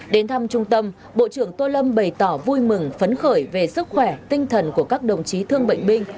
đến thăm trung tâm bộ trưởng tô lâm bày tỏ vui mừng phấn khởi về sức khỏe tinh thần của các đồng chí thương bệnh binh